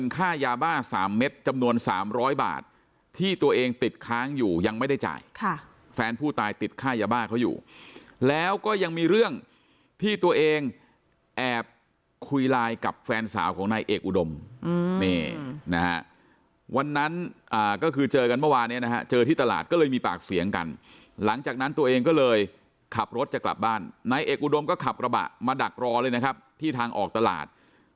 ค่ายาบ้า๓เม็ดจำนวน๓๐๐บาทที่ตัวเองติดค้างอยู่ยังไม่ได้จ่ายแฟนผู้ตายติดค่ายาบ้าเขาอยู่แล้วก็ยังมีเรื่องที่ตัวเองแอบคุยไลน์กับแฟนสาวของนายเอกอุดมนี่นะฮะวันนั้นก็คือเจอกันเมื่อวานเนี่ยนะฮะเจอที่ตลาดก็เลยมีปากเสียงกันหลังจากนั้นตัวเองก็เลยขับรถจะกลับบ้านนายเอกอุดมก็ขับกระบะมาดักรอเลยนะครับที่ทางออกตลาด